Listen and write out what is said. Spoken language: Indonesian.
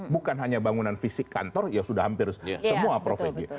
bukan hanya bangunan fisik kantor ya sudah hampir semua prof egy